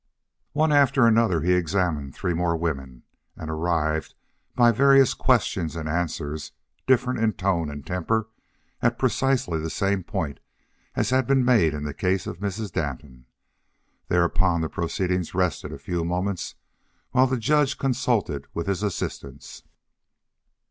One after another he examined three more women, and arrived, by various questions and answers different in tone and temper, at precisely the same point as had been made in the case of Mrs. Danton. Thereupon the proceedings rested a few moments while the judge consulted with his assistants.